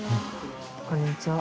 こんにちは。